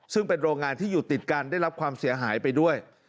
ซึ่งเป็นโรงงานที่อยู่ติดกันได้รับความเสียหายไปด้วย